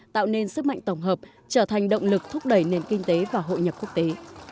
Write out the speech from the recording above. tạo nên sức mạnh tổng hợp trở thành động lực thúc đẩy nền kinh tế và hội nhập quốc tế